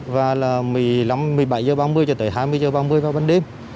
và là một mươi năm một mươi bảy h ba mươi cho tới hai mươi h ba mươi vào ban đêm